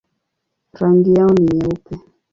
Rangi yao ni nyeupe.